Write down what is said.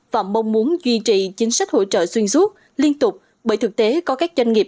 và mong muốn duy trì chính sách hỗ trợ xuyên suốt liên tục bởi thực tế có các doanh nghiệp